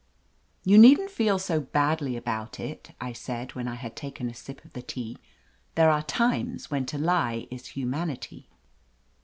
"You needn't feel so badly about it," I said, when I had taken a sip of the tea. "There are times when to lie is humanity."